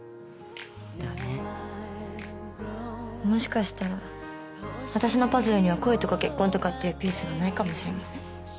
もしかしたら私のパズルには恋とか結婚とかっていうピースがないかもしれません。